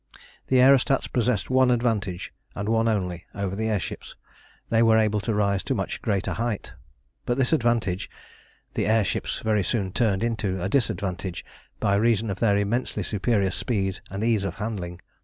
The aerostats possessed one advantage, and one only, over the air ships. They were able to rise to a much greater height. But this advantage the air ships very soon turned into a disadvantage by reason of their immensely superior speed and ease of handling.